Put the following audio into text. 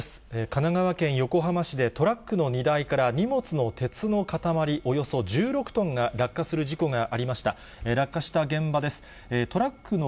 神奈川県横浜市で、トラックの荷台から荷物の鉄の塊およそ１６トンが落下する事故がありました。